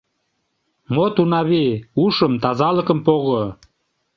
Мод, Унави, ушым, тазалыкым пого...